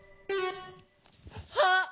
あっ！